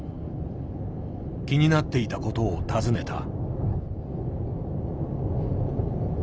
気になっていたことを尋ねた。